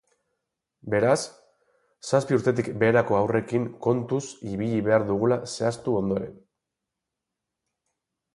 Beraz, zazpi urtetik beherako haurrekin kontuz ibili behar dugula zehaztu ondoren.